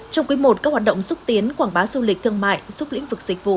trong quý một các hoạt động xúc tiến quảng bá du lịch thương mại xúc lĩnh vực dịch vụ